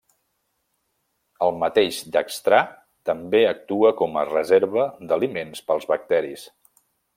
El mateix dextrà també actua com a reserva d'aliments pels bacteris.